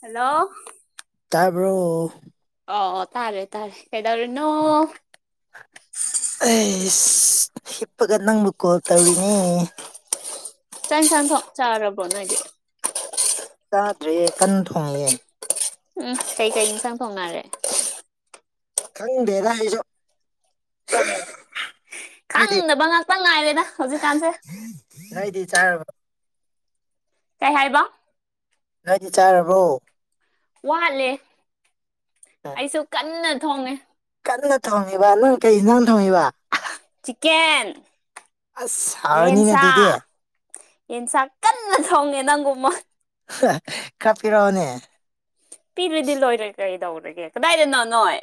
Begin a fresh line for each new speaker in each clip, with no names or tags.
Hello
ꯇꯥꯕꯣ
ꯑꯣ ꯇꯥꯔꯦ ꯇꯥꯔꯦ ꯀꯩꯇꯥꯔꯅ
ꯑꯩ ꯍꯤꯞꯄꯒ ꯅꯪꯕꯨ ꯀꯣꯜ ꯇꯧꯔꯤꯅꯦ
ꯇꯟ ꯁꯟꯊꯣꯛ ꯆꯥꯔꯕꯣ ꯅꯣꯏꯗꯤ
ꯆꯥꯗ꯭ꯔꯦ ꯀꯟꯅ ꯊꯣꯡꯉꯑꯦ
ꯎꯝ ꯀꯩꯀꯩ ꯏꯟꯁꯥꯡ ꯐꯥꯎꯅꯔꯦ
ꯈꯪꯗꯦꯗ ꯑꯩꯁꯨ ꯅꯣꯏꯗꯤ
ꯑꯪꯅꯕ ꯉꯥꯛꯇ ꯉꯥꯏꯔꯦꯗ ꯍꯧꯖꯤꯛꯀꯥꯟꯁꯦ
ꯉꯗꯤ ꯆꯥ
ꯀꯩ ꯍꯥꯏꯕ
ꯅꯥꯏꯗꯤ ꯆꯥꯔꯕꯣ
ꯋꯥꯠꯂꯦ ꯑꯩꯁꯨ ꯀꯟꯅ ꯊꯣꯡꯉꯦ
ꯀꯟꯅ ꯊꯣꯡꯉꯤꯕ ꯅꯪ ꯀꯩ ꯏꯥꯡ ꯊꯣꯡꯉꯤꯕ
ꯆꯛꯦꯟ
ꯑꯁ ꯍꯥꯎꯔꯅꯤꯅꯦ
ꯌꯦꯟꯁ
ꯑꯗꯨꯗꯤ
ꯌꯦꯟꯁꯥꯛ ꯀꯟꯅ ꯊꯣꯡꯉꯦ ꯅꯪꯒꯨꯝꯕ
ꯀꯥꯞꯄꯤꯔꯛꯑꯣꯅꯦ
ꯄꯤꯔꯗꯤ ꯂꯣꯏꯔꯦ ꯀꯩꯗꯧꯔꯒꯦ ꯀꯗꯥꯏꯗꯅꯣ ꯅꯣꯏ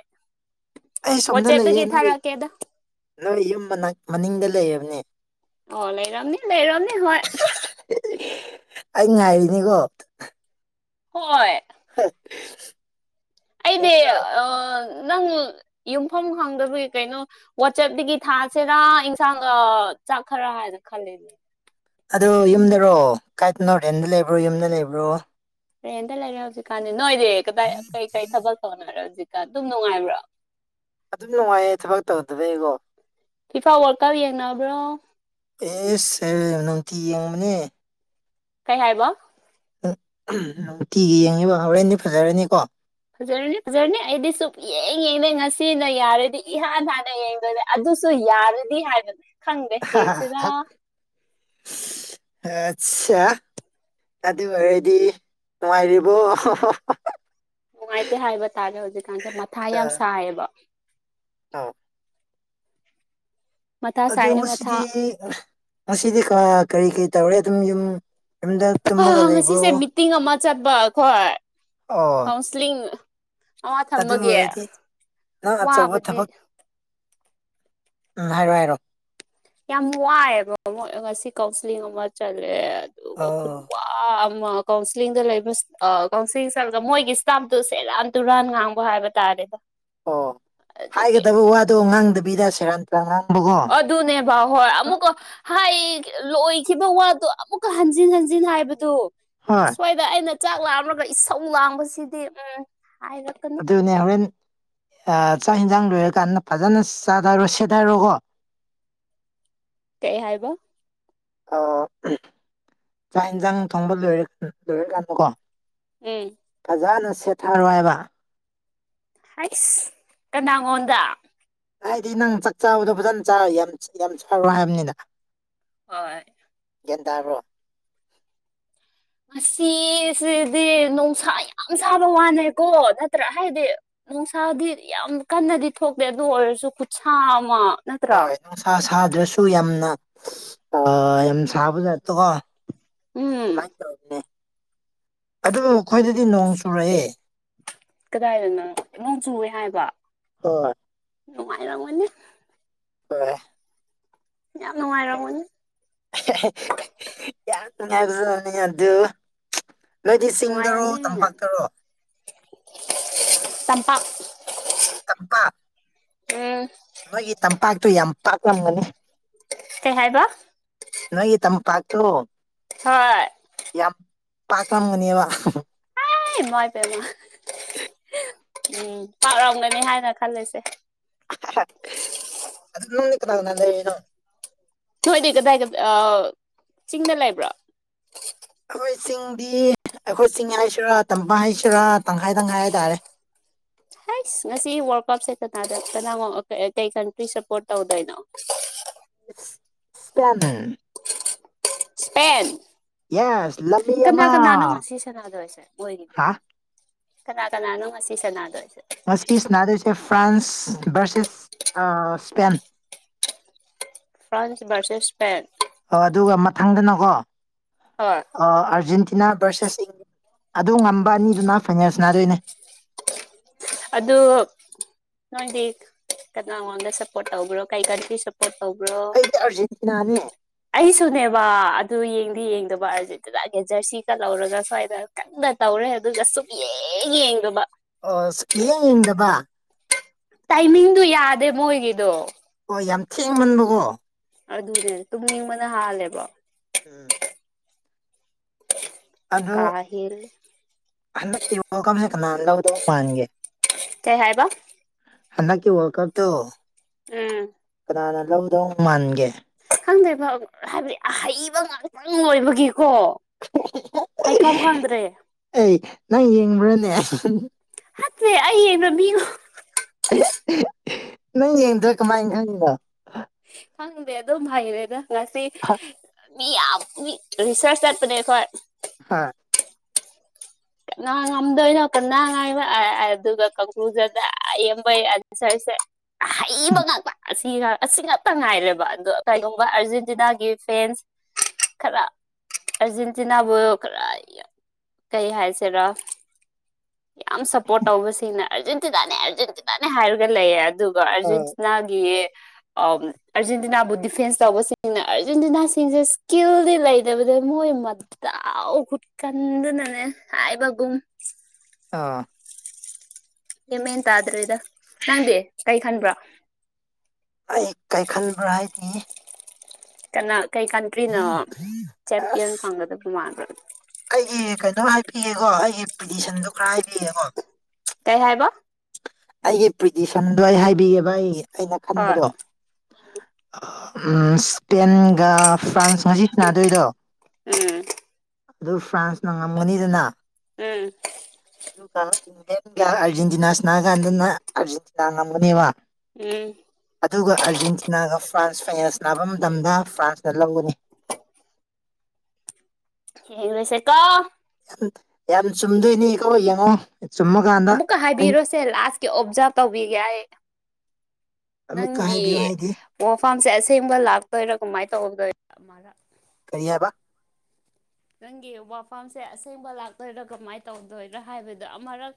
ꯑꯩ ꯁꯣꯝꯗ ꯂꯩꯌꯦ
ꯋꯥꯆꯦꯞꯇꯒꯤ
ꯅꯣꯏ
ꯊꯥꯔꯛꯀꯦꯗ
ꯅꯣꯏ ꯌꯨꯝ ꯃꯅꯤꯡꯗ ꯂꯩꯑꯕꯅꯦ
ꯑꯣ ꯂꯩꯔꯝꯅꯤ ꯂꯩꯔꯝꯅꯤ ꯍ
ꯑꯩ ꯉꯥꯏꯔꯤꯅꯤꯀꯣ
ꯍꯣꯏ
ꯍ
ꯑꯩꯗꯤ ꯅꯪ ꯌꯨꯝꯐꯝ ꯈꯪꯗꯕꯒꯤ ꯀꯩꯅꯣ ꯋꯥꯆꯦꯞꯇꯒꯤ ꯊꯁꯤꯅ ꯏꯟꯁꯥꯡ ꯆꯥꯛꯈꯔꯥ ꯍꯥꯏꯅ ꯈꯜꯂꯦꯅꯦ
ꯑꯗꯨꯗꯣ ꯌꯨꯝꯗꯔꯣ ꯀꯥꯏ ꯅꯣꯔꯇꯦꯟꯗ ꯂꯩꯕ꯭ꯔꯣ ꯌꯨꯝꯗ ꯂꯩꯕ꯭ꯔꯣ
ꯇ꯭ꯔꯦꯟꯗ ꯂꯩꯔꯦ ꯍꯧꯖꯤꯛꯀꯥꯟꯗꯤ ꯅꯣꯏꯗꯤ ꯀꯗꯥꯏ ꯀꯩꯀꯩ ꯊꯕꯛ ꯁꯧꯅꯔꯦ ꯍꯧꯖꯤꯛꯀꯥꯟ ꯑꯗꯨꯝ ꯅꯨꯡꯉꯥꯏꯕ꯭ꯔꯣ
ꯑꯗꯨꯝ ꯅꯨꯡꯉꯥꯏꯌꯦ ꯊꯕꯛ ꯇꯧꯗꯕꯩꯀꯣ
ꯐꯤꯐꯥꯎ ꯋꯥꯔꯀꯔ ꯌꯦꯡꯅꯕ꯭ꯔꯣ
ꯑꯦ ꯁꯦꯔ ꯅꯨꯡꯇꯤ ꯌꯦꯡꯉꯕꯅꯦ
ꯀꯩ ꯍꯥꯏꯕꯣ
ꯅꯨꯡꯇꯤꯒꯤ ꯌꯦꯡꯉꯤꯕ ꯍꯣꯔꯦꯟꯗꯤ ꯐꯖꯔꯅꯤꯀꯣ
ꯐꯖꯔꯅꯦ ꯐꯖꯔꯅꯤ ꯑꯩꯗꯤ ꯁꯨꯞꯛ ꯌꯦꯡ ꯌꯦꯡꯗꯦ ꯉꯁꯤꯅ ꯌꯥꯔꯗꯤ ꯏꯍꯥꯟ ꯍꯥꯟꯅ ꯌꯦꯡꯗꯣꯏꯗ ꯑꯗꯨꯁꯨ ꯌꯥꯔꯗꯤ ꯍꯥꯏꯗꯅ
ꯑꯆꯥ ꯑꯗꯨ ꯑꯣꯏꯔꯗꯤ ꯅꯨꯡꯉꯥꯏꯔꯤꯕꯣ
ꯅꯨꯡꯉꯥꯏꯇꯦ ꯍꯥꯏꯕ ꯇꯥꯔꯦ ꯍꯧꯖꯤꯛꯀꯥꯟꯁꯦ ꯃꯊꯥ ꯌꯥꯝ ꯁꯥꯏꯌꯦꯕ
ꯑ
ꯃꯊꯥ
ꯑꯗꯣ
ꯁꯥꯏꯌꯦ ꯃꯊꯥ
ꯉꯁꯤꯗꯤ ꯉꯁꯤꯗꯤ ꯀꯔꯤ ꯀꯔꯤ ꯇꯧꯔꯦ ꯑꯗꯨꯝ ꯌꯨꯝ ꯌꯨꯝꯗ ꯇꯃꯒ ꯂꯩꯕ꯭ꯔꯣ
ꯇꯤꯡ ꯑꯃ ꯆꯠꯄ ꯀꯣ
ꯑꯣ
ꯃꯨꯁꯂꯤꯝ ꯑ
ꯑꯗꯨ
ꯊꯝꯃꯒꯦ
ꯑꯣꯏꯔꯗꯤ ꯅꯪ ꯑꯆꯧꯕ
ꯋꯥꯕꯗꯤ
ꯊꯕꯛ ꯎꯝ ꯍꯥꯏꯔꯑꯣ ꯍꯥꯏꯔꯣ
ꯌꯥꯝ ꯋꯥꯏꯑꯦꯕ ꯃꯣꯏ ꯉꯁꯤ ꯀꯥꯎꯟꯁꯤꯂꯤꯡ ꯑꯃ ꯆꯂꯦ ꯑꯗꯨꯒ ꯈꯨ
ꯑꯣ
ꯑꯃ ꯀꯥꯎꯟꯁꯤꯂꯤꯡꯗ ꯂꯩꯕ ꯀꯥꯎꯟꯁꯤꯂꯤꯡ ꯆꯠꯂꯒ ꯃꯣꯏꯒꯤ ꯏꯁ꯭ꯇꯥꯞꯇꯨ ꯁꯦꯔꯥꯟ ꯇꯨꯔꯥꯟ ꯉꯥꯡꯕ ꯍꯥꯏꯕ ꯇꯥꯔꯦꯗ
ꯑꯣ
ꯑꯗꯨꯒꯤ
ꯍꯥꯏꯒꯗꯕ ꯋꯥꯗꯣ ꯉꯥꯡꯗꯕꯤꯗ ꯁꯦꯔꯟ ꯇꯨꯔꯟ ꯉꯥꯡꯕꯒꯣ
ꯑꯗꯨꯅꯦꯕꯥ ꯍꯣꯏ ꯑꯃꯨꯛꯀ ꯍꯥꯏꯌꯦ ꯂꯣꯏꯈꯤꯕ ꯋꯥꯗꯨ ꯑꯃꯨꯛꯀ ꯍꯟꯖꯤꯟ ꯍꯟꯖꯤꯟ ꯍꯥꯏꯕꯗꯨ
ꯍꯣꯏ
ꯑꯩꯈꯣꯏꯗ ꯑꯩꯅ ꯆꯥꯛ ꯂꯥꯡꯔꯒ ꯏꯁꯧ ꯂꯥꯡꯕꯁꯤꯗꯤ ꯎꯝ ꯍꯥꯏꯔꯒ
ꯑꯗꯨꯅꯦ ꯍꯣꯔꯦꯟ ꯆꯥꯛ ꯏꯟꯁꯥꯡ ꯂꯣꯏꯔꯀꯥꯟꯗ ꯐꯖꯅ ꯆꯥꯊꯔꯣ ꯁꯦꯊꯔꯣꯀꯣ
ꯀꯩ ꯍꯥꯏꯕ
ꯑꯣ ꯆꯥꯛ ꯌꯦꯟꯁꯥꯡ ꯊꯣꯡꯕ ꯂꯣꯏ ꯂꯣꯏꯔꯀꯥꯟꯗꯀꯣ
ꯎꯝ
ꯐꯖꯅ ꯁꯦꯠꯊꯔꯣ ꯍꯥꯢꯕ
ꯍꯩꯁ ꯀꯅꯥꯉꯣꯟꯗ
ꯍꯥꯏꯗꯤ ꯅꯪ ꯆꯥꯛ ꯆꯥꯕꯗꯣ ꯐꯖꯅ ꯆꯥꯔꯣ ꯌꯥꯝ ꯌꯥꯝ ꯆꯥꯔꯣ ꯍꯥꯏꯕꯅꯤꯅ
ꯍꯣꯏ
ꯒ꯭ꯌꯥꯟ ꯇꯥꯕ꯭ꯔꯣ
ꯉꯁꯤꯁꯤꯗꯤ ꯅꯨꯡꯁꯥ ꯌꯥꯝ ꯁꯥꯕ ꯋꯥꯅꯦꯀꯣ ꯅꯠꯇ꯭ꯔ ꯍꯥꯏꯗꯤ ꯅꯨꯡꯁꯥꯗꯤ ꯌꯥꯝ ꯀꯟꯅꯗꯤ ꯊꯣꯛꯇꯦ ꯑꯗꯨ ꯑꯣꯏꯔꯁꯨ ꯈꯨꯠꯁꯥ ꯑꯃ ꯅꯠꯇ꯭ꯔꯥ
ꯍꯣꯏ ꯅꯨꯡꯁꯥ ꯁꯥꯗ꯭ꯔꯁꯨ ꯌꯥꯝꯅ ꯌꯥꯝ ꯁꯥꯕꯖꯥꯠꯇꯀꯣ
ꯎꯝ
ꯑꯗꯨꯃꯥꯏꯅ ꯇꯧꯕꯅꯦ ꯑꯗꯨ ꯑꯩꯈꯣꯏꯗꯗꯤ ꯅꯣꯡ ꯆꯨꯔꯛꯑꯦ
ꯀꯗꯥꯏꯗꯅꯣ ꯅꯣꯡ ꯆꯨꯋꯦ ꯍꯥꯏꯕ
ꯍꯣꯏ
ꯅꯨꯡꯉꯥꯏꯔꯝꯒꯅꯤ
ꯍꯣꯏ
ꯌꯥꯝ ꯅꯨꯡꯉꯥꯏꯔꯝꯒꯅꯤ
ꯌꯥꯝ ꯅꯨꯡꯉꯥꯢꯕꯖꯥꯠꯅꯤ ꯑꯗꯨ ꯅꯣꯏꯗꯤ ꯆꯤꯡꯗꯔꯣ
ꯅꯨꯡꯉꯥꯏꯅꯤ
ꯇꯝꯄꯥꯛꯇꯔꯣ
ꯇꯝꯄꯥꯛ
ꯇꯝꯄꯥꯛ
ꯎꯝ
ꯅꯣꯏꯒꯤ ꯇꯝꯄꯥꯛꯇꯨ ꯌꯥꯝ ꯄꯥꯛꯂꯝꯒꯅꯤ
ꯀꯩ ꯍꯥꯏꯕ
ꯅꯣꯏꯒꯤ ꯇꯝꯄꯥꯛꯇꯣ
ꯍꯣꯏ ꯑꯦ
ꯌꯥꯝ ꯄꯥꯛꯂꯝꯒꯅꯦꯕ
ꯢꯃꯩꯕꯦꯝꯃ ꯎꯝ ꯄꯥꯛꯔꯝꯒꯅꯤ ꯍꯥꯏꯅ ꯈꯜꯂꯁꯦ
ꯑꯗꯣ ꯅꯪꯗꯤ ꯀꯅꯅꯥ ꯂꯩꯔꯤꯅꯣ
ꯊꯣꯏꯗꯤ ꯀꯗꯥꯏ ꯗ ꯆꯤꯡꯗ ꯂꯩꯕ꯭ꯔꯣ
ꯑꯩꯈꯣꯏ ꯆꯤꯡꯗꯤ ꯑꯩꯈꯣꯏ ꯆꯤꯡ ꯍꯥꯏꯁꯤꯔꯥ ꯇꯝꯗ ꯍꯥꯏꯁꯤꯔꯥ ꯇꯪꯈꯥꯏ ꯇꯪꯈꯥꯏ ꯍꯥꯏꯇꯥꯔꯦ
ꯍꯥꯏꯁ ꯉꯁꯤ ꯋꯥꯔꯜ ꯀꯞꯁꯦ ꯀꯅꯥꯗ ꯀꯅꯥꯅꯣ ꯀꯩ ꯀꯟꯇ꯭ꯔꯤ ꯁꯄꯣꯠ ꯇꯧꯗꯣꯏꯅꯣ
ꯢꯁ꯭ꯄꯦꯟ
ꯢꯁ꯭ꯄꯦꯟ
ꯌꯦꯁ ꯂꯝꯕꯤ ꯑꯃ
ꯀꯅꯥ ꯀꯅꯥꯅꯣ ꯉꯁꯤ ꯁꯥꯟꯅꯗꯣꯏꯁꯦ ꯃꯣꯏꯒꯤꯗꯣ
ꯍꯥ
ꯀꯅꯥ ꯀꯅꯥꯅꯣ ꯉꯁꯤ ꯁꯥꯟꯅꯗꯣꯏꯁꯦ
ꯃꯁꯤ ꯁꯥꯟꯗꯣꯏꯁꯦ France versus Spain
France versus Spain
ꯑꯣ ꯑꯗꯨꯒ ꯃꯊꯪꯗꯅꯀꯣ
ꯍꯣꯏ
ꯑ ꯑꯥꯔꯖꯦꯟꯇꯤꯅꯥ ꯚꯔꯁꯦꯁ ꯁꯤꯡ ꯑꯗꯣ ꯉꯝꯕ ꯑꯅꯤꯗꯨꯅ ꯐꯥꯏꯅꯦꯜꯁ ꯁꯅꯥꯗꯣꯏꯅꯦ
ꯑꯗꯨ ꯅꯪꯗꯤ ꯀꯅꯥ ꯉꯣꯟꯗ ꯁꯞꯄꯣꯠ ꯇꯧꯕ꯭ꯔꯣ ꯀꯩꯀꯥ ꯁꯞꯄꯣꯠ ꯇꯧꯕ꯭ꯔꯣ
ꯑꯩꯗꯤ ꯑꯥꯔꯖꯦꯟꯇꯤꯅꯥꯅꯦ
ꯑꯩꯁꯨꯅꯦꯕ ꯑꯗꯨ ꯌꯦꯡꯗꯤ ꯌꯦꯡꯗꯕ ꯑꯥꯔꯖꯟꯇꯤꯅꯥꯒꯤ ꯖꯔꯁꯤꯒ ꯂꯧꯔꯒ ꯁ꯭ꯨꯋꯥꯢꯗ ꯀꯟꯅ ꯇꯧꯔꯦ ꯑꯗꯨꯒ ꯁꯨꯛꯌꯦꯡ ꯌꯦꯡꯗꯕ
ꯑꯣ ꯌꯦꯡ ꯌꯦꯡꯗꯕ
ꯇꯥꯏꯃꯤꯡꯗꯨ ꯌꯥꯗꯦ ꯃꯣꯏꯒꯤꯗꯣ
ꯍ‌ꯣꯏ ꯌꯥꯝ ꯊꯦꯡꯃꯟꯕꯀꯣ
ꯑꯗꯨꯅꯦ ꯇꯨꯝꯅꯤꯡꯕꯅ ꯍꯥꯜꯂꯦꯕ
ꯎꯝ ꯑꯗꯣ
ꯀꯥ ꯍꯦꯜꯂꯦ
ꯍꯟꯗꯛꯀꯤ ꯋꯥꯜ ꯀꯞ ꯁꯤ ꯀꯅꯥꯅ ꯂꯧꯗꯧꯕ ꯃꯥꯟꯒꯦ
ꯀꯩ ꯍꯥꯏꯕ
ꯍꯟꯗꯛꯀꯤ ꯋꯥꯜ ꯀꯞ ꯇꯣ
ꯎꯝ
ꯀꯅꯥꯅ ꯂꯧꯗꯧ ꯃꯥꯟꯒꯦ
ꯈꯪꯗꯣꯏꯦꯕ ꯍꯥꯏꯕꯗꯤ ꯑ ꯍꯩꯕ ꯉꯥꯛꯇꯪ ꯂ ꯑꯣꯏꯕꯒꯤꯀꯣ ꯍꯥꯏꯐꯝ ꯈꯪꯗ꯭ꯔꯦ
ꯑꯩ ꯅꯪ ꯌꯦꯡꯕ꯭ꯔꯥꯅꯦ
ꯑꯠꯇꯦ ꯑꯅ ꯃꯤ
ꯅ ꯏꯗ ꯀꯃꯥꯏꯗꯗ
ꯈꯪꯗꯦ ꯑꯗꯨꯝ ꯍꯩꯔꯦꯅ ꯉꯁꯤ
ꯍꯥ
ꯃꯤ ꯌꯥꯝ ꯃꯤ ꯔꯤꯁꯔꯁ ꯆꯠꯄꯅꯦ ꯑꯩꯈꯣꯏ
ꯍꯥ
ꯉꯗꯣꯣꯏꯅꯀ ꯉꯥꯏꯕ ꯑꯗꯨꯒ ꯀꯨꯗ ꯑꯕꯩ ꯑ ꯆꯁꯦ ꯑꯍꯩꯕ ꯉꯥꯛꯇ ꯑꯁ ꯑꯩꯒ ꯑꯁꯤ ꯉꯥꯛꯇ ꯉꯥꯏꯔꯦꯕ ꯑꯗꯣ ꯀꯩꯒꯨꯝꯕ ꯑꯥꯔꯖꯦꯟꯇꯤꯅꯥꯒꯤ ꯐꯦꯟꯁ ꯈꯔ ꯑꯔꯖꯦꯟꯇꯤꯅꯥꯕꯨ ꯈꯔ ꯀꯩ ꯍꯥꯏ ꯁꯤꯔ‌ꯣ ꯌꯥꯝ ꯁꯄꯣꯔꯠ ꯇꯧꯕꯁꯤꯡꯅ ꯑꯥꯔꯖꯦꯟꯇꯤꯅꯥꯅꯦ ꯑꯥꯔꯖꯦꯟꯇꯤꯅꯥꯅꯦ ꯍꯥꯏꯔꯒ ꯂꯩꯌꯦ ꯑꯗꯨꯒ
ꯑꯥ
ꯑꯥꯔꯖꯦꯟꯇꯤꯅꯥꯒꯤ ꯑꯥꯔꯖꯦꯟꯇꯤꯅꯥꯕꯨ ꯗꯤꯐꯦꯟꯁ ꯇꯧꯕꯁꯤꯡꯅ ꯑꯥꯔꯖꯦꯟꯇꯤꯅꯥꯁꯤꯡꯁꯦ ꯏꯁꯀꯤꯜꯗꯤ ꯂꯩꯇꯕꯗ ꯃꯣꯏ ꯇꯥꯎ ꯈꯨꯠꯀꯟꯗꯨꯅꯅꯦ ꯍꯥꯏꯕꯒꯨꯝ
ꯑꯥ
ꯒꯥꯏꯟꯃꯦꯟ ꯇꯥꯗ꯭ꯔꯦꯗ ꯅꯪꯗꯤ ꯀꯩ ꯈꯟꯕ꯭ꯔꯥ
ꯑꯩ ꯀꯩ ꯈꯟꯕ꯭ꯔꯥ ꯍꯥꯏꯗꯤ
ꯀꯅꯥ ꯀꯩ ꯀꯟꯇ꯭ꯔꯤꯅ‌ꯣ ꯆꯦꯝꯄꯤꯌꯟ
ꯑꯁ
ꯐꯪꯒꯗꯕ ꯃꯥꯟꯕ꯭ꯔ
ꯑꯩꯒꯤ ꯀꯩꯅꯣ ꯍꯥꯏꯕꯤꯒꯦꯀꯣ ꯑꯩꯒꯤ ꯄꯤꯇꯤꯁꯟꯗꯣ ꯈꯔ ꯍꯥꯏꯕꯤꯒꯦꯀꯣ
ꯀꯩ ꯍꯥꯏꯕ
ꯑꯩꯒꯤ ꯄ꯭ꯤꯇꯤꯁꯟꯗꯣ ꯑꯩ ꯍꯥꯏꯕꯤꯑꯦꯕ ꯑꯩ ꯑꯩꯅ
ꯍꯣꯏ
ꯈꯟꯕꯗꯣ ꯎꯝ ꯏꯁꯄꯦꯟꯒ ꯐ꯭ꯔꯥꯟꯁ ꯉꯁꯤ ꯁꯥꯅꯗꯣꯏꯗꯣ
ꯎꯝ
ꯑꯗꯨ ꯐ꯭ꯔꯥꯟꯁꯅ ꯉꯝꯒꯅꯤꯗꯅ
ꯎꯝ
ꯑꯗꯨꯒ ꯏꯪꯂ ꯑꯔꯖꯦꯟꯇꯤꯅꯥ ꯁꯅꯥꯒꯥꯟꯗꯅ ꯑꯔꯖꯦꯟꯇꯤꯅꯥ ꯉꯝꯅꯦꯕ
ꯎꯝ
ꯑꯗꯨꯒ ꯑꯥꯔꯖꯦꯟꯇꯤꯅꯥꯒ ꯐ꯭ꯔꯥꯟꯁ ꯐꯁ ꯅꯥꯕ ꯃꯇꯝꯗ ꯐ꯭ꯔꯥꯟꯁꯅ ꯂꯧꯒꯅꯤ
ꯌ‌ꯦꯡ ꯂꯁ‌ꯦꯀ‌ꯣ
ꯌꯥꯝ ꯆꯨꯝꯗꯣꯏꯅꯤ ꯀ‌ꯣ ꯌꯦꯡꯉꯣ ꯆꯨꯝꯃ ꯀꯥꯟ
ꯑꯃꯨꯛꯀ ꯍꯥꯏꯕꯤꯔꯣꯁꯦ ꯂꯥꯁꯀꯤ ꯑꯣꯕꯖꯥꯔꯕ ꯇꯧꯕꯤꯒꯦ ꯑꯩ
ꯑꯃꯨꯛꯀ
ꯅꯪꯒꯤ
ꯍꯥꯏꯕꯤꯌꯨ ꯍꯥꯏꯗꯤ
ꯋꯥꯐꯝꯁꯦ ꯑꯁꯦꯡꯕ ꯂꯥꯛꯇꯣꯏꯔꯥ ꯀꯃꯥꯏꯅ ꯇꯧꯗꯣꯏꯔ ꯑꯃꯔꯛ
ꯀꯔꯤ ꯍꯥꯏꯕ
ꯅꯪꯒꯤ ꯋꯥꯐꯝꯁꯦ ꯑꯁꯦꯡꯕ ꯂꯥꯛꯇꯣꯏꯔꯥ ꯀꯃꯥꯏꯅ ꯇꯧꯗꯣꯏꯔꯥ ꯍꯥꯏꯕꯗꯣ ꯑꯃꯔꯛ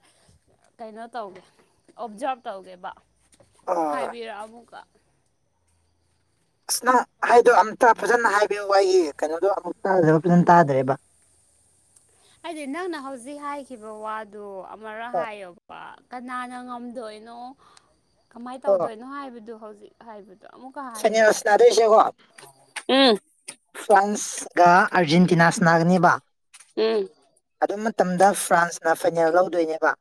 ꯀꯩꯅꯣ ꯇꯧꯒꯦ ꯑꯣꯞꯖꯥꯔꯞ ꯇꯧꯒꯦꯕ
ꯑꯣ
ꯍꯥꯏꯕꯤꯔꯛ ꯑꯃꯨꯛꯀ
ꯑꯁ ꯅꯪ ꯍꯥꯏꯗꯣ ꯑꯝꯇ ꯐꯖꯅ ꯍꯥꯏꯕꯤꯌꯨ ꯑꯩꯒꯤ ꯀꯩꯅꯣꯗꯣ ꯑꯃꯨꯛ ꯇꯥꯗ꯭ꯔꯕ ꯐꯖꯅ ꯇꯥꯗ꯭ꯔꯦꯕ
ꯍꯥꯏꯗꯤ ꯅꯪꯅ ꯍꯧꯖꯤꯛ ꯍꯥꯏꯈꯤꯕ ꯋꯥꯗꯨꯣ ꯑꯃꯔꯛ
ꯑꯣ
ꯍꯥꯏꯌꯣꯕ ꯀꯅꯥꯅ ꯉꯝꯗꯣꯏꯅꯣ ꯀꯃꯥꯏꯅ
ꯑꯣ
ꯇꯧꯗꯣꯏꯅꯣ ꯍꯥꯏꯕꯗꯨ ꯍꯧꯖꯤꯛ ꯍꯥꯏꯕꯗꯣ ꯑꯃꯨꯛꯀ
ꯐꯥꯏꯅꯦꯜ
ꯍꯥꯏꯔꯛꯑꯣ
ꯁꯥꯟꯅꯗꯣꯏꯁꯦꯀꯣ
ꯎꯝ
ꯐ꯭ꯔꯥꯟꯁꯒ ꯑꯥꯔꯖꯦꯟꯇꯤꯅꯥꯁꯅꯥꯒꯅꯦꯕ
ꯎꯝ
ꯑꯗꯨ ꯃꯇꯝꯗ ꯐ꯭ꯔꯥꯟꯁꯅ ꯐꯥꯏꯅꯦꯜ ꯂꯧꯗꯣꯏꯅꯦꯕ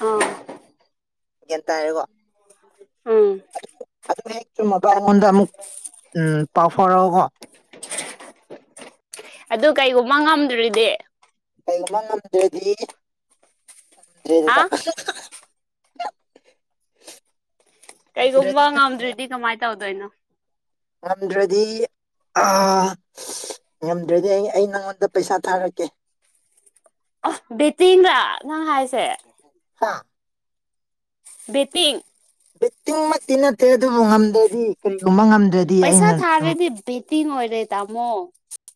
ꯑ
ꯌꯦ ꯇꯔꯦꯒꯣ
ꯎꯝ
ꯨꯝ ꯃ ꯑꯩꯉꯣꯟꯗ ꯑꯃꯨꯛ ꯎꯝ ꯄꯥꯎꯊꯥꯎꯣꯔꯛꯑꯣ ꯀꯣ
ꯑꯗꯨ ꯀꯩꯒꯨꯝꯕ ꯉꯝꯗ꯭ꯔꯤꯗꯤ
ꯀꯩꯒꯨꯝꯕ ꯉꯝꯗ꯭ꯔꯗꯤ
ꯍꯥ
ꯉꯝꯗ꯭ꯔꯦꯗꯅ
ꯀꯩꯒꯨꯝꯕ
ꯉꯝꯗ꯭ꯔꯗꯤ ꯉꯝꯗ꯭ꯔꯦ
ꯉꯝꯗ꯭ꯔꯗꯤ ꯀꯃꯥꯏ ꯇꯧꯗꯣꯏꯅꯣ
ꯉꯝꯗ꯭ꯔꯗꯤ ꯑ ꯉꯝꯗ꯭ꯔꯗꯤ ꯑꯩ ꯑꯩ ꯅꯪꯉꯣꯟꯗ ꯄꯩꯁꯥ ꯊꯥꯔꯛꯀꯦ
ꯕꯦꯇꯤꯡꯂ ꯅꯪ ꯍꯥꯏꯁꯦ
ꯍꯥꯥ
ꯕ‌ꯦꯇꯤꯡ
ꯕ‌ꯦꯇꯤꯡꯃꯛꯇꯤ ꯅꯠꯇꯦ ꯑꯗꯨꯕꯨ ꯉꯝꯗ꯭ꯔꯗꯤ ꯀꯔꯤꯒꯨꯝꯕ ꯉꯝꯗ꯭ꯔꯗꯤ ꯑꯩꯅ ꯁꯨꯝ
ꯕ‌ꯦꯇꯤꯡ ꯑꯣꯏꯔꯦ ꯇꯥꯃꯣ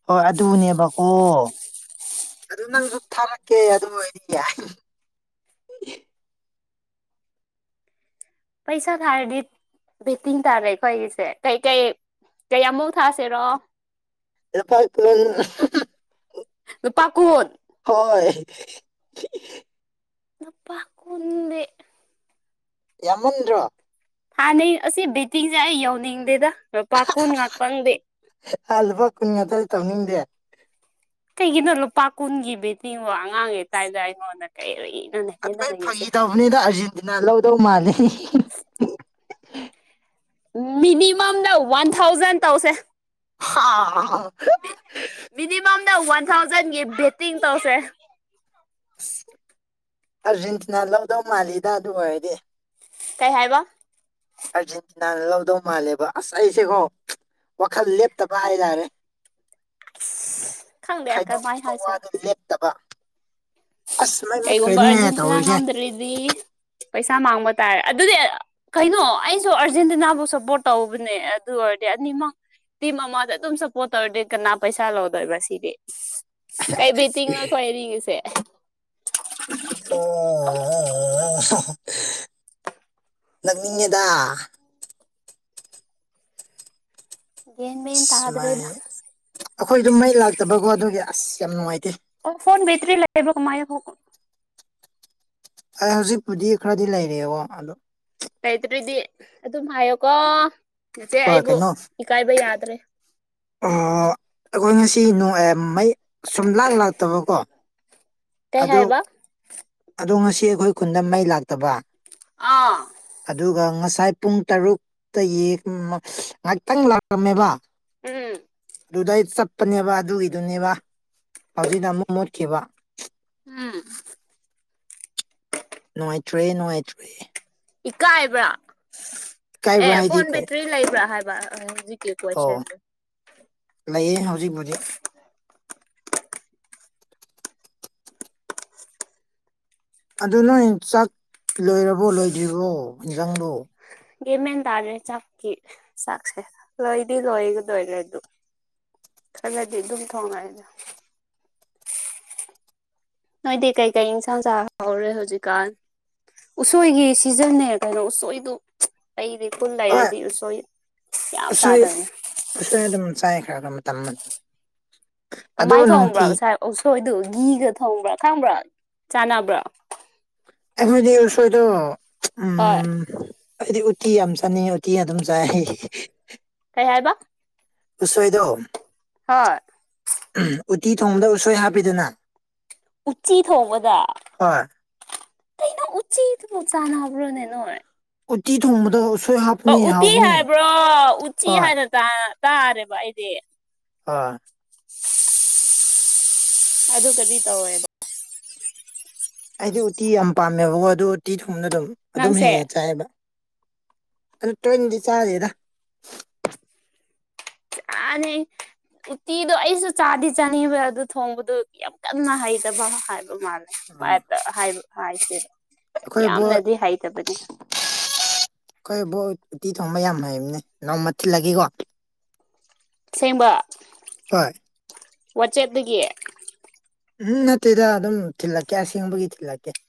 ꯍꯣꯏ ꯑꯗꯨꯅꯦꯕꯀꯣ ꯑꯗꯨ ꯅꯪꯁꯨ ꯊꯥꯔꯛꯀꯦ ꯑꯗꯨ ꯑꯣꯏꯗꯤ ꯌꯥ
ꯄꯩꯁꯥ ꯀꯥꯗ ꯕꯦꯠꯇꯤꯡ ꯇꯥꯔꯦ ꯑꯩꯈꯣꯏꯒꯤꯁꯦ ꯀꯩꯀꯩ ꯀꯩꯃꯨ ꯊꯥꯁꯤꯔꯣ
ꯑꯦꯄꯥꯥꯏ
ꯄꯀꯣꯔ
ꯍꯣꯏ
ꯅꯨꯄꯥ
ꯌꯥꯝꯃꯟꯗ꯭ꯔꯣ
ꯍꯥꯟꯅꯩ ꯑꯁꯤ ꯕꯦꯇꯤꯡꯁꯦ ꯑꯩ ꯌꯧꯅꯤꯡꯗꯦꯗ ꯂꯨꯄꯥ ꯀꯨꯟ ꯉꯥꯛꯇꯪꯗꯦ
ꯑꯜꯕ ꯀꯟ ꯉ ꯇꯔꯤ ꯇꯧꯅꯤꯅꯤꯡꯗꯦ
ꯀꯩꯒꯤꯅꯣ ꯂꯨꯄꯥ ꯀꯨꯟꯒꯤ ꯕꯤꯇꯤꯡꯕꯣ ꯑꯉꯥꯡꯉꯩꯇꯥꯥꯏꯕꯗ ꯑꯩꯉꯣꯟꯗ ꯀꯩꯔꯨꯏꯅꯅꯦ
ꯈꯩ ꯐꯥꯒꯤ ꯇꯧꯕꯅꯤꯅ ꯑꯥꯔꯖꯦꯟꯇꯤꯅꯥ ꯂꯧꯗꯧ ꯃꯥꯅꯤ
ꯃꯤꯅꯤꯃꯝꯗ ꯋꯥꯟ ꯊꯥꯎꯖꯟ ꯇꯧꯁꯦ
ꯍꯥꯥ
ꯃꯤꯅꯤꯃꯝꯅ ꯋꯥꯟ ꯊꯥꯎꯖꯟꯒꯤ ꯕꯦꯠꯇꯤꯡ ꯇꯧꯁꯦ
ꯑꯁ ꯑꯥꯔꯖꯦꯟꯇꯤꯅꯥ ꯂꯧꯗꯧ ꯃꯥꯜꯂꯤꯗ ꯑꯗꯨ ꯑꯣꯏꯔꯗꯤ
ꯀꯩ ꯍꯥꯏꯕ
ꯑꯥꯔꯖꯦꯟꯇꯤꯅꯥꯅ ꯂꯧꯗꯧ ꯃꯥꯜꯂꯦꯕ ꯑꯁ ꯑꯩꯁꯦꯀꯣ ꯋꯥꯈꯜ ꯂꯦꯞꯇꯕ ꯍꯥꯏꯇꯥꯔꯦ
ꯈꯪꯗꯦ ꯀꯃꯥꯏꯅ
ꯍꯥꯏꯗꯣꯛꯈꯤꯕ
ꯍꯥꯏꯁꯤꯔꯥ
ꯋꯥꯗꯨ ꯂꯦꯞꯇꯕ ꯑꯁ ꯃꯩ
ꯀꯩꯒꯨꯝꯕ
ꯃꯨꯠꯈ꯭ꯔꯦꯅꯦ
ꯑꯔꯖꯦꯟꯇꯤꯅꯥ
ꯇꯧꯔꯤꯁꯦ
ꯉꯝꯗꯔꯤꯗꯤ ꯄꯩꯁꯥ ꯃꯥꯡꯕ ꯇꯥꯔꯦ ꯑꯗꯨꯗꯤ ꯀꯩꯅꯣ ꯑꯩꯁꯨ ꯑꯥꯔꯖꯦꯟꯇꯤꯅꯥꯕꯨ ꯁꯞꯄꯣꯔꯠ ꯇꯧꯕꯅꯦ ꯑꯗꯨ ꯑꯣꯏꯔꯗꯤ ꯑꯅꯤꯃꯛ ꯇꯤ ꯃꯃꯥꯗ ꯑꯗꯨꯝ ꯁꯞꯄꯣꯔꯠ ꯇꯧꯔꯗꯤ ꯀꯅꯥ ꯄꯩꯁꯥ ꯂꯧꯗꯣꯏꯕ ꯁꯤꯗꯤ ꯀꯥꯏ ꯕꯤꯇꯒ ꯅ ꯈꯣꯏꯋꯥꯏꯔꯤꯁꯦ
ꯑꯣ ꯅꯛꯅꯤꯡꯉꯦꯗ
ꯒ꯭ꯌꯥꯟ ꯃꯦꯟ
ꯑꯁ ꯃꯥꯏ
ꯇꯥꯗ꯭ꯔꯦꯗ
ꯑꯩꯈꯣꯏ ꯑꯗꯨꯝ ꯃꯩ ꯂꯥꯛꯇꯕꯀꯣ ꯑꯗꯨꯒꯤ ꯑꯁ ꯌꯥꯝ ꯅꯨꯡꯉꯥꯏꯇꯦ
ꯑꯣ ꯐꯣꯟ ꯕꯇꯔꯤ ꯂ ꯂꯩꯕ ꯃꯥꯥꯏ ꯍꯣ
ꯑꯩ ꯍꯧꯖꯤꯛꯄꯨꯗꯤ ꯈꯔꯗꯤ ꯂꯩꯔꯤꯑꯕ ꯑꯗꯣ
ꯂꯩꯇ꯭ꯔꯤꯗꯤ ꯑꯗꯨꯝ ꯍꯥꯏꯌꯣꯀꯣ ꯏꯆꯦ ꯑꯩꯕꯨ ꯏꯀꯥꯏꯕ ꯌꯥꯗ꯭ꯔꯦ
ꯑꯣ ꯑꯩꯈꯣꯏ ꯉꯁꯤ ꯅꯣꯡ ꯃꯩ ꯁꯨꯝ ꯂꯥꯛ ꯂꯥꯛꯇꯕꯀꯣ
ꯀꯩ
ꯑꯗꯨ
ꯍꯥꯏꯕ
ꯑꯗꯣ ꯉꯁꯤ ꯑꯩꯈꯣꯏ ꯈꯨꯟꯗ ꯃꯩ ꯂꯥꯛꯇꯕ
ꯑꯥ
ꯑꯗꯨꯒ ꯉꯁꯥꯏ ꯄꯨꯡ ꯇꯔꯨꯛꯇꯒꯤ ꯉꯥꯏꯍꯥꯛꯇꯪ ꯂꯥꯛꯂꯝꯝꯃꯦꯕ
ꯎꯝ
ꯑꯗꯨꯗꯩ ꯆꯠꯄꯅꯦꯕ ꯑꯗꯨꯒꯤꯗꯨꯅꯦꯕ ꯍꯧꯖꯤꯛꯅ ꯑꯃꯨꯛ ꯃꯨꯠꯈꯤꯕ
ꯎꯝ
ꯅꯨꯡꯉꯥꯏꯇ꯭ꯔꯦ ꯅꯨꯡꯉꯥꯏꯇ꯭ꯔꯤꯦ
ꯏꯀꯥꯏꯕ꯭ꯔꯥ
ꯏꯀꯥꯏꯕ꯭ꯔꯥ
ꯑꯦ
ꯍꯥꯏꯗꯤ
ꯐꯣꯟ
ꯀꯩ
ꯕꯦꯇ꯭ꯔꯤ ꯂꯩꯕ꯭ꯔꯥ ꯍꯥꯏꯕ
ꯑꯣ
ꯀꯣꯏꯁꯟꯗꯣ
ꯂꯩꯌꯦ ꯍꯧꯖꯤꯛ ꯍꯧꯗꯤꯛ ꯑꯗꯨ ꯅꯣꯏ ꯆꯥꯛ ꯂꯣꯏꯔꯕꯣ ꯂꯣꯏꯗ꯭ꯔꯤꯕꯣ ꯌꯦꯟꯖꯥꯡꯗꯨꯣ
ꯒꯃꯦꯦꯟꯟ ꯇꯥꯗꯦ ꯆꯞꯀꯤꯈꯤ ꯁꯥꯁꯦ ꯂꯣꯏꯗꯤ ꯂꯣꯏꯒꯗꯣꯏꯂ ꯑꯗꯨꯗꯨ ꯈꯔꯂꯗꯤ ꯑꯗꯨꯝ ꯊꯣꯡꯉꯛꯑꯗ ꯅꯣꯏꯗꯤ ꯀꯩꯀꯩ ꯏꯟꯁꯥꯡ ꯆꯥ ꯍꯧꯔꯦ ꯍꯧꯖꯤꯛꯀꯥꯟ. ꯎꯁꯣꯏꯒꯤ ꯁꯤꯖꯟꯅꯦ ꯀꯩꯅꯣ ꯎꯁꯣꯏꯗꯨ ꯑꯩꯗꯤ ꯄꯨꯜ
ꯍꯣꯏ
ꯂꯩꯔꯗꯤ ꯎꯁꯣꯏ ꯌꯥꯝ ꯆꯥꯗꯅꯦ
ꯁꯣꯏ ꯑꯗꯨꯝ ꯆꯥꯏ ꯈ꯭ꯔꯒ ꯃꯇꯝ ꯃꯇꯝ ꯑꯗꯨ
ꯀꯃꯥꯏꯅ ꯊꯣꯡꯕ꯭ꯔꯥ
ꯅꯨꯡꯇꯤ
ꯉꯁꯥꯏ ꯎꯁꯣꯏꯗꯨ ꯒꯤꯘꯒ ꯊꯣꯡꯕ꯭ꯔꯥ ꯈꯪꯕ꯭ꯔꯥ ꯆꯥꯟꯅꯕ꯭ꯔꯥ
ꯑꯩꯈꯣꯏꯗꯤꯁꯣꯏꯗꯣ
ꯍꯣꯏ
ꯎꯝ ꯍꯥꯏꯗꯤ ꯎꯇꯤ ꯌꯥꯝ ꯆꯥꯅꯤꯡꯉ ꯎꯇꯤ ꯑꯗꯨꯝ ꯆꯥꯏ
ꯀꯩ ꯍꯥꯏꯕ
ꯎꯁꯣꯏꯗ
ꯍꯣꯏ
ꯎ ꯎꯠꯇꯤ ꯊꯣꯡꯕꯗ ꯎꯁꯣꯏ ꯍꯥꯞꯄꯤꯗꯅ
ꯎꯆꯤ ꯊꯣꯡꯕꯗ
ꯍꯣꯏ
ꯩꯅ ꯎꯆꯠ ꯅꯨꯁꯥꯥꯟ ꯍꯥꯕ꯭ꯔꯣ ꯅꯅꯣꯣꯏ
ꯎ ꯎꯆꯤ ꯊꯣꯡꯃꯗ ꯍꯥꯞ
ꯎꯠꯇꯤ ꯍꯥꯏꯕ꯭ꯔꯣ ꯎ ꯎꯆꯤ ꯍꯥꯏꯅ ꯇꯥꯔꯦꯕ ꯑꯩꯗꯤ
ꯑ
ꯑꯗꯨꯒꯗꯤ ꯇꯧꯋꯦꯕ
ꯑꯩꯗꯤ ꯎꯇꯤ ꯌꯥꯝ ꯄꯥꯝꯃꯦꯕꯀꯣ ꯑꯗꯨ ꯎꯇꯤ ꯊꯣꯡꯅ ꯑꯗꯨꯝ ꯑꯗꯨꯝ
ꯅꯪꯁꯦ
ꯍꯦꯛꯑꯦ ꯆꯥꯏꯑꯕ ꯑꯗꯨ ꯇ꯭ꯔꯦꯟꯗꯤ ꯆꯥꯗꯦꯗ
ꯑ ꯎꯇꯤꯗꯣ ꯑꯩꯁꯨ ꯆꯥꯗꯤ ꯆꯥꯅꯤꯡꯕ ꯑꯗꯨ ꯊꯣꯡꯕꯗꯨ ꯌꯥꯝ ꯀꯟꯅ ꯍꯩꯇꯕ ꯍꯥꯏꯕ
ꯎꯝ
ꯃꯥꯜꯂꯦ ꯑ ꯍꯥꯏ ꯍꯥꯏꯁꯤ
ꯑꯩꯈꯣꯏꯕꯨ ꯑꯩꯈꯣꯏꯕꯣ ꯎꯇꯤ ꯊꯣꯡꯕ ꯌꯥꯝ ꯍꯩꯕꯅꯦ ꯅꯅꯥꯎꯃ ꯊꯤꯜꯂꯒꯦꯀꯣ
ꯁꯦꯝꯦꯡꯕ
ꯍꯣꯏ
ꯋꯥꯆꯠꯗꯒꯤ
ꯎꯝ ꯅꯠꯇꯦꯗ ꯑꯗꯨꯝ ꯊꯤꯜꯂꯛꯀꯦ ꯑꯁꯦꯡꯕꯒꯤ ꯊꯤꯜꯂꯛꯀꯦ